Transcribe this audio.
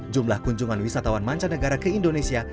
jumlah kunjungan wisatawan mancanegara ke indonesia